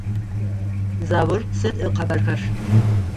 Заур сыд ыкъэбархэр?